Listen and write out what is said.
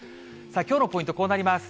きょうのポイント、こうなります。